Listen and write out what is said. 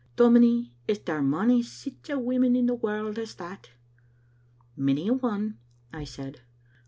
Dominie, is there mony sic women in the warld as that?" " Many a one," I said.